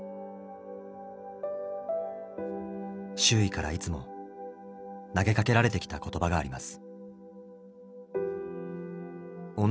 周囲からいつも投げかけられてきた言葉があります。